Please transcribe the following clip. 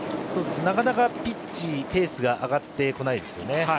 なかなかピッチ、ペースが上がってこないですね。